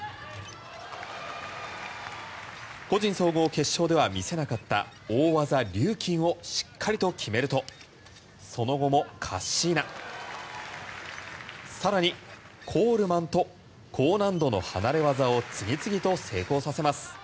個人総合決勝では見せなかった大技リューキンをしっかりと決めるとその後もカッシーナさらにコールマンと高難度の離れ技を次々と成功させます。